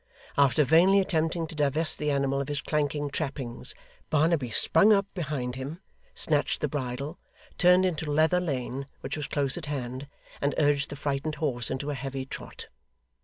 After vainly attempting to divest the animal of his clanking trappings, Barnaby sprung up behind him, snatched the bridle, turned into Leather Lane, which was close at hand, and urged the frightened horse into a heavy trot.